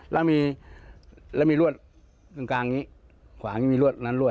แล้วมีรวดตรงกลางนี้ขวางนี้มีรวดนั้นรวด